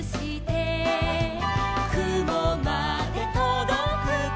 「くもまでとどくか」